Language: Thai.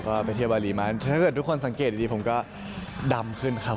ก็ไปเที่ยวบารีมานถ้าเกิดทุกคนสังเกตดีผมก็ดำขึ้นครับ